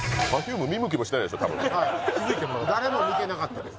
はい誰も見てなかったです